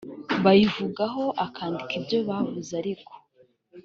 bayivugaho akandika ibyo bavuze ariko